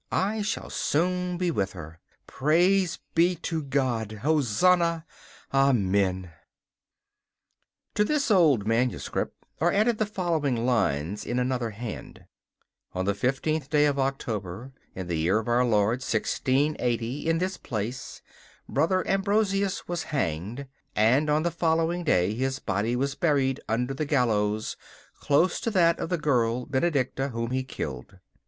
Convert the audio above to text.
I shall soon be with her. Praise be to God! Hosanna! Amen. [To this old manuscript are added the following lines in another hand: 'On the fifteenth day of October, in the year of our Lord, 1680, in this place, Brother Ambrosius was hanged, and on the following day his body was buried under the gallows, close to that of the girl Benedicta, whom he killed.